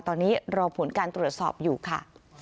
ตอนนี้รอผลการตรวจสอบอยู่ค่ะ